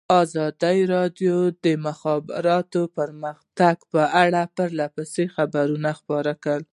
ازادي راډیو د د مخابراتو پرمختګ په اړه پرله پسې خبرونه خپاره کړي.